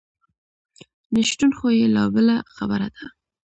نشتون خو یې لا بله خبره ده.